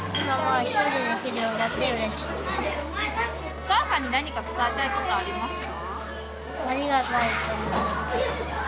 お母さんに何か伝えたいことありますか？